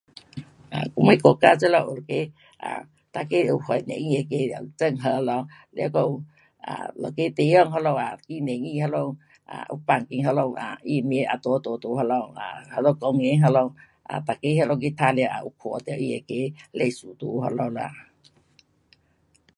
um 我们国家这里有一个，um 每个有怀念那个有郑和咯，了还有 um 一个地方那里啊，很多去那里，um 有放在他那里，um 那名也在在路那里，um 那里公园那里，um 每个去那里去玩耍，有看到他那个历史在那里啦。